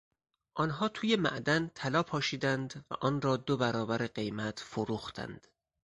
آنها توی معدن طلا پاشیدند و آنرا دو برابر قیمت فروختند.